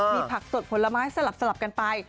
มีผักสดผลไม้สลับกันไป